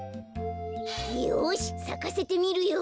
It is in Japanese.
よしさかせてみるよ。